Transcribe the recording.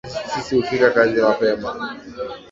Sisi hufika kazi mapema